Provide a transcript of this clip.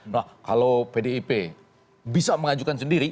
nah kalau pdip bisa mengajukan sendiri